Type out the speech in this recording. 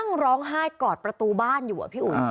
นั่งร้องฆ่ากอดเป้าหรอธิบายประตูบ้านอยู่พี่อุ